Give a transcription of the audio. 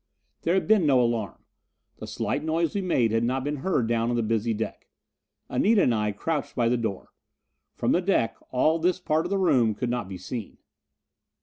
There had been no alarm. The slight noise we made had not been heard down on the busy deck. Anita and I crouched by the floor. From the deck all this part of the room could not be seen.